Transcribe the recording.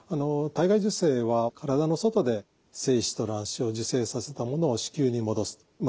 体外受精は体の外で精子と卵子を受精させたものを子宮に戻すと。